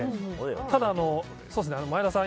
ただ、前田さん